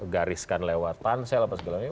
gariskan lewat pansel apa segalanya